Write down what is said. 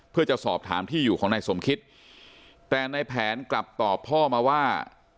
เพื่อจะสอบถามที่อยู่ของนายสมคิตแต่ในแผนกลับตอบพ่อมาว่า